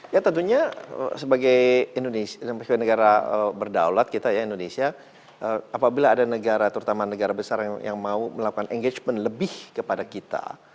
ya tentunya sebagai negara berdaulat kita ya indonesia apabila ada negara terutama negara besar yang mau melakukan engagement lebih kepada kita